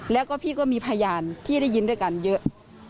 แล้วก็พี่ก็มีพยานที่ได้ยินด้วยกันเยอะ